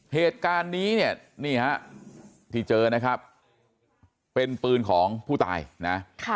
เหตุการณ์นี้เนี่ยนี่ฮะที่เจอนะครับเป็นปืนของผู้ตายนะ